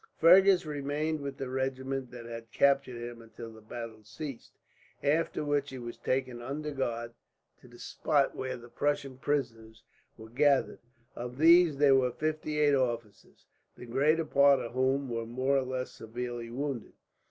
Fergus remained with the regiment that had captured him until the battle ceased; after which he was taken, under a guard, to the spot where the Prussian prisoners were gathered. Of these there were fifty eight officers, the greater part of whom were more or less severely wounded.